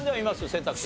選択肢。